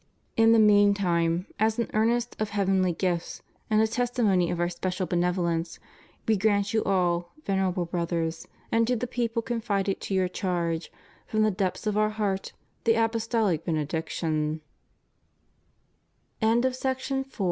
In the meantime, as an earnest of heavenly gifts, and a testimony of Our special benevolence. We grant you all, Venerable Brothers, and to the people confided to your charge^ from the depths of Our heart, the